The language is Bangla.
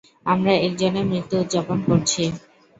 আমরা একজনের মৃত্যু উদযাপন করছি।